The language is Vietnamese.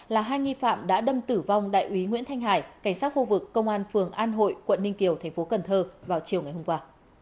là hai nghi phạm đã đâm tử vong đại úy nguyễn thanh hải cảnh sát khu vực công an phường an hội quận ninh kiều thành phố cần thơ vào chiều ngày hôm qua